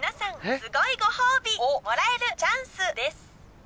すごいご褒美をもらえるチャンスです！